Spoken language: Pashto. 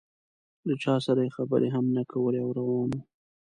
له چا سره یې خبرې هم نه کولې او روان و.